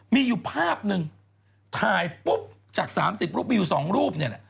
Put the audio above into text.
มีอยู่ภาพหนึ่งถ่ายปุ๊บจากสามสิบรูปมีอยู่สองรูปนี่